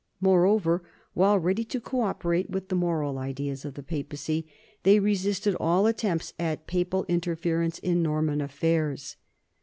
Moreover, while ready to coSperate with the moral ideas of the Papacy, they resisted all attempts at papal interference in Norman affairs.